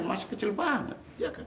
masih kecil banget